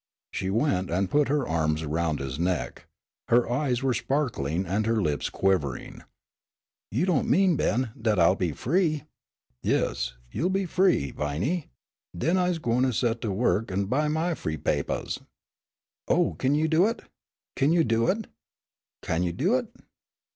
She went and put her arms around his neck. Her eyes were sparkling and her lips quivering. "You don' mean, Ben, dat I'll be free?" "Yes, you'll be free, Viney. Den I's gwine to set to wo'k an' buy my free papahs." "Oh, kin you do it kin you do it kin you do it?"